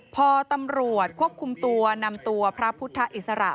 พอตำรวจควบคุมตัวนำตัวพระพุทธอิสระ